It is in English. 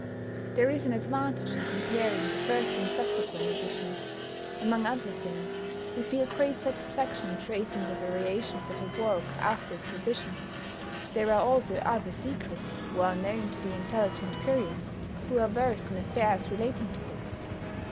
There is an advantage in comparing the first and subsequent editions; among other things, we feel great satisfaction in tracing the variations of a work after its revision. There are also other secrets, well known to the intelligent curious, who are versed in affairs relating to books.